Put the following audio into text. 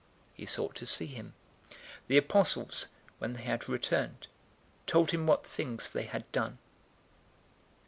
He sought to see him. 009:010 The apostles, when they had returned, told him what things they had done.